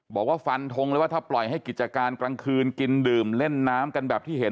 บอกว่าฟันทงเลยว่าถ้าปล่อยให้กิจการกลางคืนกินดื่มเล่นน้ำกันแบบที่เห็น